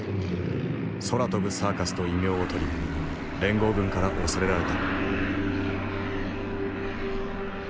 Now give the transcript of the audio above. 空飛ぶサーカスと異名を取り連合軍から恐れられた。